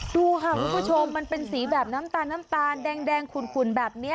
ดูค่ะคุณผู้ชมมันเป็นสีแบบน้ำตาลน้ำตาลแดงขุ่นแบบนี้